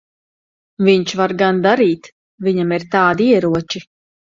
Viņš var gan darīt. Viņam ir tādi ieroči.